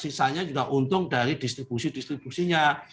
sisanya juga untung dari distribusi distribusinya